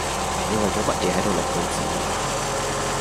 你為咗乜嘢喺度錄句子